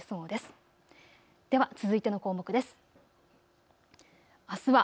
では続いての項目です。